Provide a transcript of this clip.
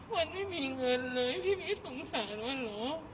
วันไม่มีเงินเลยพี่ไม่สงสารวันเหรอ